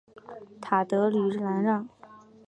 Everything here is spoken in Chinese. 塔德吕兰让。